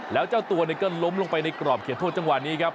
แล้วเจ้าตัวก็ล้มลงไปในกรอบเขตโทษจังหวะนี้ครับ